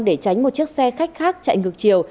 để tránh một chiếc xe khách khác chạy ngược chiều